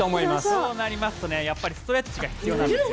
そうなりますとストレッチが必要です。